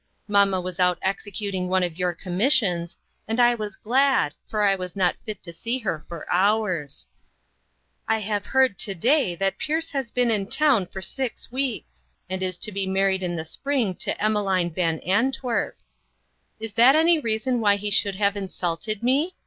Mamma was out executing one of your commissions, and I was glad, for I was not fit to see her for hours. " I have heard to day that Pierce has been in town for six weeks, and is to be married in the spring to Emmeline Van Antwerp. Is that any reason why he should have insulted me?